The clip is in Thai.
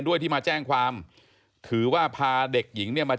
บอกว่าเด็กอายุยวนเขา